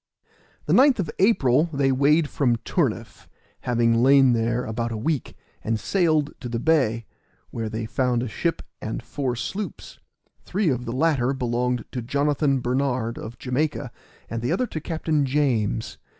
The 9th of April they weighed from Turniff, having lain there about a week, and sailed to the bay, where they found a ship and four sloops; three of the latter belonged to Jonathan Bernard, of Jamaica, and the other to Captain James.